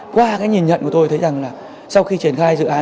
qua nhìn nhận của tôi thấy rằng là sau khi triển khai dựa